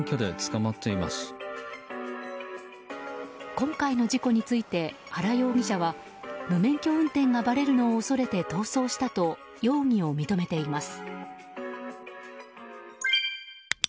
今回の事故について原容疑者は無免許運転がばれるのを恐れて逃走したと容疑を認めています。